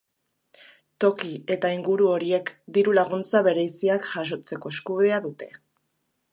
Toki eta inguru horiek diru-laguntza bereiziak jasotzeko eskubidea dute.